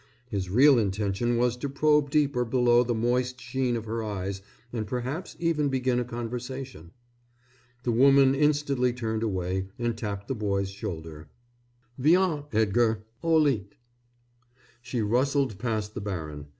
His real intention was to probe deeper below the moist sheen of her eyes and perhaps even begin a conversation. The woman instantly turned away and tapped the boy's shoulder. "Viens, Edgar. Au lit." She rustled past the baron.